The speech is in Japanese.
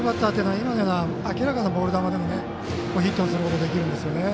今のような明らかなボール球でもヒット打つことができるんですよね。